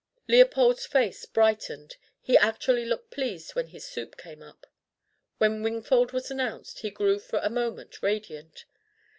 Leopold's face brightened; he actually looked pleased when his soup came. When Wingfold was announced, he grew for a moment radiant.